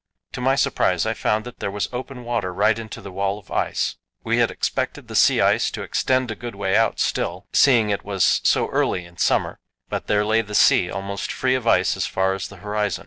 To my surprise I found that there was open water right in to the wall of ice. We had expected the sea ice to extend a good way out still, seeing it was so early in summer; but there lay the sea, almost free of ice as far as the horizon.